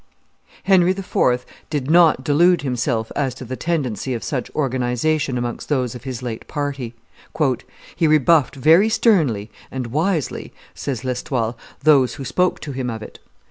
Henry IV. did not delude himself as to the tendency of such organization amongst those of his late party. "He rebuffed very sternly (and wisely)," says L'Estoile, "those who spoke to him of it.